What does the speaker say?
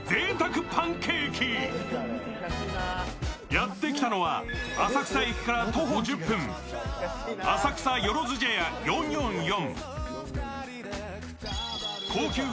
やってきたのは浅草駅から徒歩１０分、浅草よろず茶屋４４４。